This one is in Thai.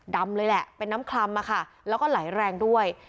ดำเลยแหละเป็นน้ำคลำแล้วก็ไหลแรงด้วย